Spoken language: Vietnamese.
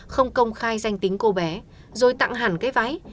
không công khai danh tính cô bé rồi tặng hẳn cái váy